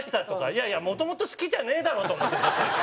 いやいやもともと好きじゃねえだろと思って。